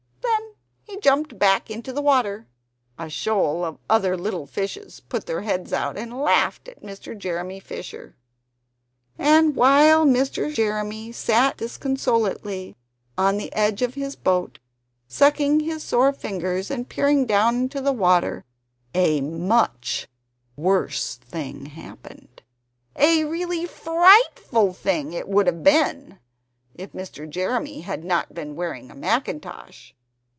Then he jumped back into the water. And a shoal of other little fishes put their heads out, and laughed at Mr. Jeremy Fisher. And while Mr. Jeremy sat disconsolately on the edge of his boat sucking his sore fingers and peering down into the water a MUCH worse thing happened; a really FRIGHTFUL thing it would have been, if Mr. Jeremy had not been wearing a mackintosh!